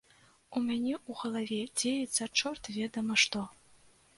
У мяне ў галаве дзеецца чорт ведама што.